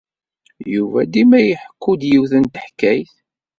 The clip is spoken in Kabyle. Yuba dima iḥekku-d yiwet n teḥkayt.